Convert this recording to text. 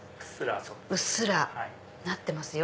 うっすらなってますよ。